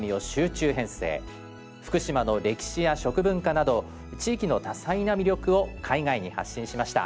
福島の歴史や食文化など地域の多彩な魅力を海外に発信しました。